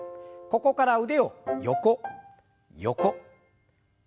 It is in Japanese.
ここから腕を横横前前。